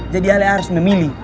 jadi alih harus memilih